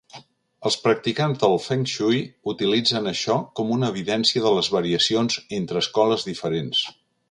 Els practicants del fengshui utilitzen això com una evidència de les variacions entre escoles diferents.